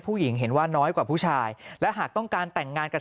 เห็นว่าน้อยกว่าผู้ชายและหากต้องการแต่งงานกับ